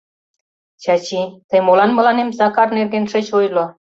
— Чачи, тый молан мыланем Сакар нерген шыч ойло?